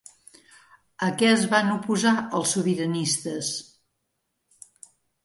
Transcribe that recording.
A què es van oposar els sobiranistes?